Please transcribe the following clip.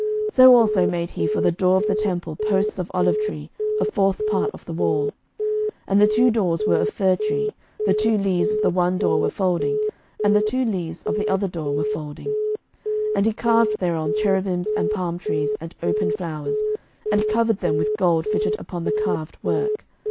11:006:033 So also made he for the door of the temple posts of olive tree, a fourth part of the wall. 11:006:034 And the two doors were of fir tree: the two leaves of the one door were folding, and the two leaves of the other door were folding. 11:006:035 And he carved thereon cherubims and palm trees and open flowers: and covered them with gold fitted upon the carved work.